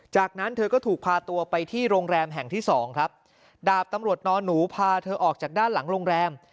จากนั้นเธอก็ถูกพาตัวไปที่โรงแรมแห่งที่สองครับดาบตำรวจนอนหนูพาเธอออกจากด้านหลังโรงแรม